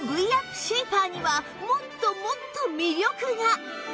シェイパーにはもっともっと魅力が！